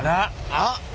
あっ。